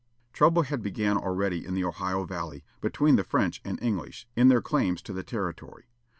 Trouble had begun already in the Ohio valley, between the French and English, in their claims to the territory.